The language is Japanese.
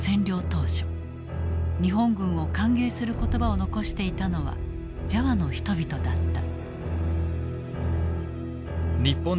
当初日本軍を歓迎する言葉を残していたのはジャワの人々だった。